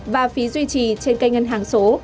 và phí duy trì trên kênh ngân hàng số